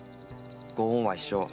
ご恩は一生。